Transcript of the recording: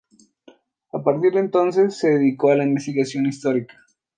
A partir de entonces se dedicó a la investigación histórica.